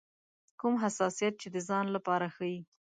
کوم حساسیت چې د ځان لپاره ښيي.